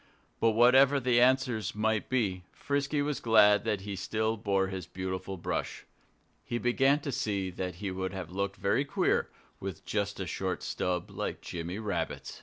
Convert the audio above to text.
But whatever the answers might be, Frisky was glad that he still bore that beautiful brush. He began to see that he would have looked very queer, with just a short stub like Jimmy Rabbit's.